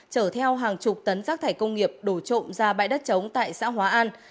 chở theo hàng chục tấn rác thải công nghiệp đổ trộm ra bãi đất chống tại xã hóa an